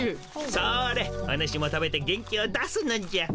それおぬしも食べて元気を出すのじゃ。